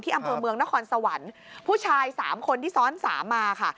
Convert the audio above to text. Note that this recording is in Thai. อำเภอเมืองนครสวรรค์ผู้ชายสามคนที่ซ้อนสามมาค่ะ